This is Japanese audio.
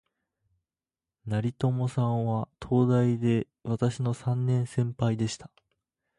成友さんは、東大で私の三年先輩でした